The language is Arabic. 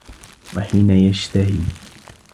وَحِينَ يَشْتَهِي